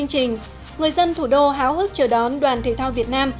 người dân thủ đô háo hức chờ đón đoàn thể thao việt nam